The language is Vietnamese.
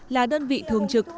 là đơn vị thường trực